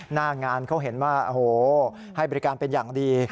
หน้างานเขาเห็นว่าโอ้โหให้บริการเป็นอย่างดี